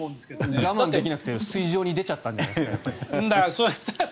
我慢できなくて水上に出ちゃったんじゃないですか？